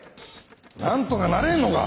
何とかならへんのか！